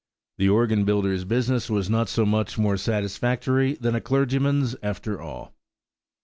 The organ builder's business was not so much more satisfactory than a clergyman's after all!